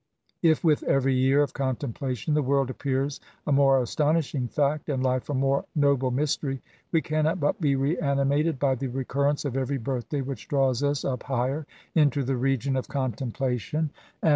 If, with every year of contemplation, the world appears a more astonishing fact, and life a more noble mystery, we cannot but be reanimated by the recurrence of every birthday which draws us up higher into the region of contemplation, and SYMPATHY TO THB INVALID.